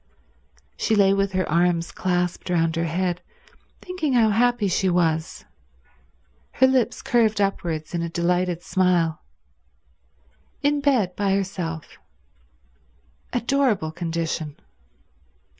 She lay with her arms clasped round her head thinking how happy she was, her lips curved upwards in a delighted smile. In bed by herself: adorable condition.